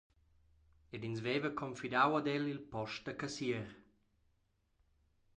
Ed ins veva confidau ad el il post da cassier.